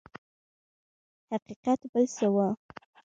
حقیقت بل څه و.